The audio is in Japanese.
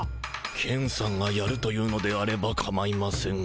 ケンさんがやると言うのであればかまいませんが。